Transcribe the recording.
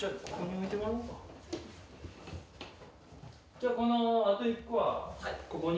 じゃあこのあと１個はここに。